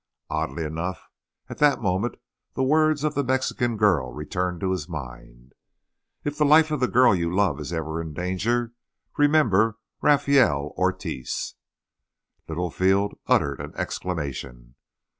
Oddly enough, at that moment the words of the Mexican girl returned to his mind: "If the life of the girl you love is ever in danger, remember Rafael Ortiz." Littlefield uttered an exclamation.